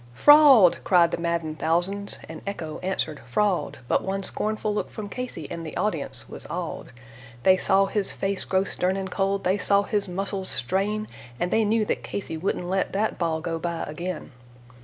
"Fraud!" cried the maddened thousands, and echo answered fraud, But one scornful look from Casey and the audience was awed; They saw his face grow stern and cold, they saw his muscles strain, And they knew that Casey wouldn't let that ball go by again.